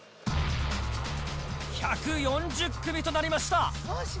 １４０組となりました。